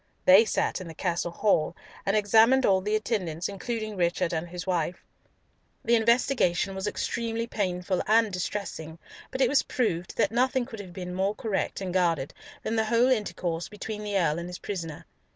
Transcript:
They sat in the castle hall, and examined all the attendants, including Richard and his wife. The investigation was extremely painful and distressing, but it was proved that nothing could have been more correct and guarded than the whole intercourse between the Earl and his prisoner.